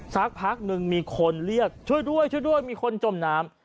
สักพักหนึ่งมีคนเรียกช่วยด้วยมีคนจมน้ำ